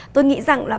tôi nghĩ rằng là